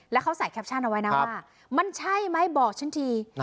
แล้วเขาใส่แคปชั่นเอาไว้นะว่ามันใช่ไหมบอกฉันที